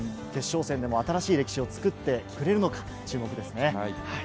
決勝戦でも新しい歴史を作ってくれるのか注目ですね。